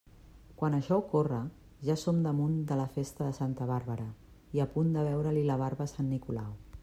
Quan això ocorre, ja som damunt de la festa de Santa Bàrbara i a punt de veure-li la barba a sant Nicolau.